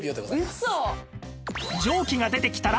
ウソ？